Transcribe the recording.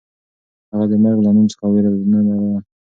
هغه د مرګ له نوم څخه وېره نه لري.